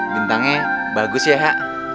bintangnya bagus ya